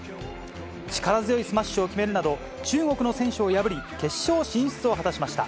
力強いスマッシュを決めるなど、中国の選手を破り、決勝進出を果たしました。